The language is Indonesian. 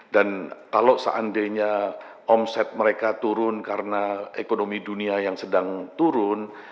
dan kalau seandainya omset mereka turun karena ekonomi dunia yang sedang turun